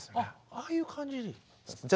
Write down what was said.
あああいう感じ。